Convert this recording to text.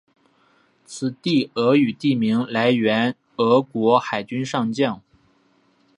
此地俄语地名来源俄国海军上将。